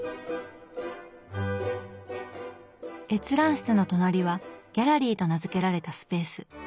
閲覧室の隣は「ギャラリー」と名付けられたスペース。